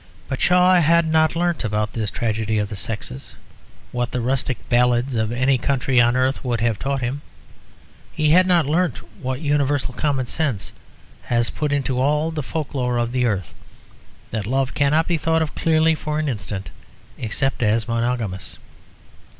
But Shaw had not learnt about this tragedy of the sexes, what the rustic ballads of any country on earth would have taught him. He had not learnt, what universal common sense has put into all the folk lore of the earth, that love cannot be thought of clearly for an instant except as monogamous.